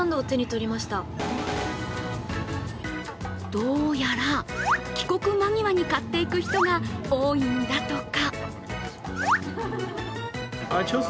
どうやら帰国間際に買っていく人が多いんだとか。